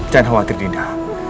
jangan khawatir dinda